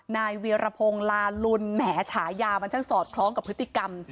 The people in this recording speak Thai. เวียรพงศ์ลาลุนแหมฉายามันช่างสอดคล้องกับพฤติกรรม